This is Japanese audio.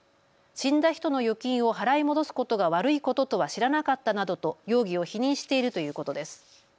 死んだ人の預金を払い戻すことが悪いこととは知らなかったなどと容疑を否認しているということです。